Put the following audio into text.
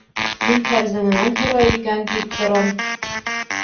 Мин Фәрзәнәнән һорай икән, тип торам.